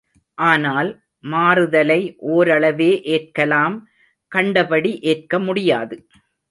ஆனால், மாறுதலை ஓரளவே ஏற்கலாம் கண்டபடி ஏற்க முடியாது.